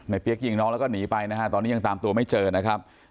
เปี๊ยกยิงน้องแล้วก็หนีไปนะฮะตอนนี้ยังตามตัวไม่เจอนะครับ